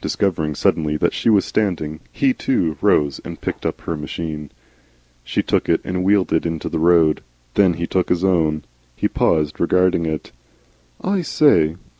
Discovering suddenly that she was standing, he, too, rose and picked up her machine. She took it and wheeled it into the road. Then he took his own. He paused, regarding it. "I say!"